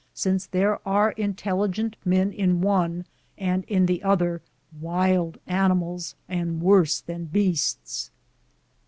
since there are intelligent men in one, and in the other wild wnimalH and worse than beasts.